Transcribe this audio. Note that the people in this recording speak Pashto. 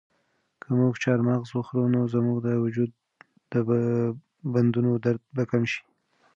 که موږ چهارمغز وخورو نو زموږ د وجود د بندونو درد به کم شي.